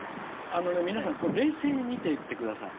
あのね皆さんこれ冷静に見ていって下さい。